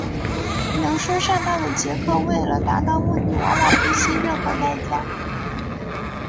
能说善道的杰克为了达到目的往往不惜任何代价。